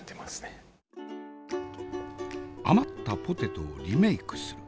余ったポテトをリメイクする。